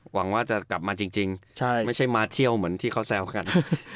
หวังว่าจะกลับมาจริงไม่ใช่มาเที่ยวเหมือนที่เขาแซวกัน